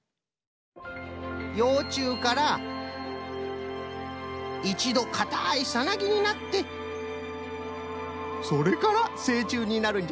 ようちゅうからいちどかたいサナギになってそれからせいちゅうになるんじゃよ。